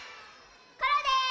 コロです。